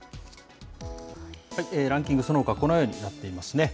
ランキング、そのほかはこのようになっていますね。